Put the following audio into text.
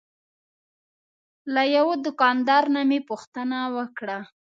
له یوه دوکاندار نه مې پوښتنه وکړه.